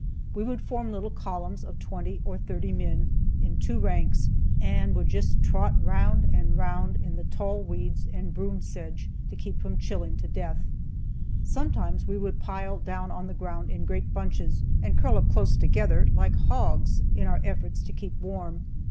We would form little columns of twenty or thirty men, in two ranks, and would just trot round and round in the tall weeds and broom sedge to keep from chilling to death. Sometimes we would pile down on the ground in great bunches, and curl up close together like hogs, in our efforts to keep warm.